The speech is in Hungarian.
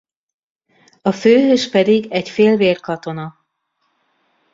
A főhős pedig egy félvér katona.